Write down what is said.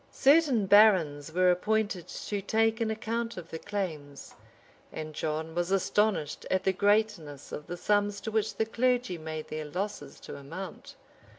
Certain barons were appointed to take an account of the claims; and John was astonished at the greatness of the sums to which the clergy made their losses to amount.